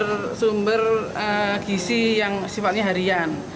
sebagai sumber gizi yang sifatnya harian